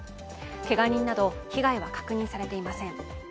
けが人など被害は確認されていません。